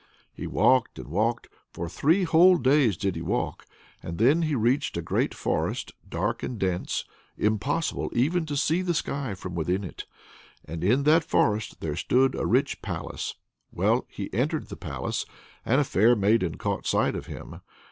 He walked and walked, for three whole days did he walk, and then he reached a great forest, dark and dense impossible even to see the sky from within it! And in that forest there stood a rich palace. Well, he entered the palace, and a fair maiden caught sight of him.